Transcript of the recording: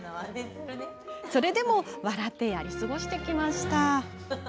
それでも笑ってやり過ごしてきました。